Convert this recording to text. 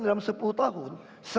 dalam sepuluh tahun